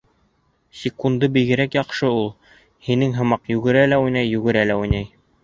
Секунды бигерәк шаян ул, һинең һымаҡ йүгерә лә уйнай, йүгерә лә уйнай.